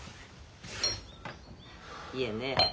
いえね